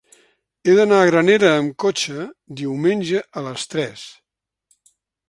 He d'anar a Granera amb cotxe diumenge a les tres.